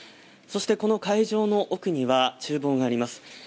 そしてこの会場の奥には厨房があります。